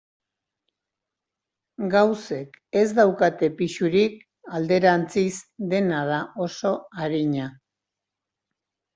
Gauzek ez daukate pisurik, alderantziz, dena da oso arina.